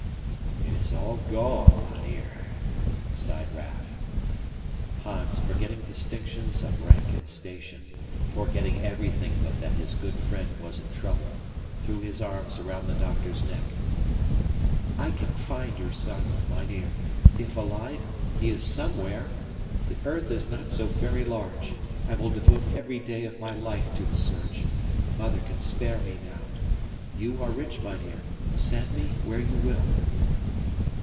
"It is all gone, mynheer," sighed Raff. Hans, forgetting distinctions of rank and station, forgetting everything but that his good friend was in trouble, threw his arms around the doctor's neck. "I can find your son, mynheer. If alive, he is SOMEWHERE. The earth is not so very large. I will devote every day of my life to the search. Mother can spare me now. You are rich, mynheer. Send me where you will."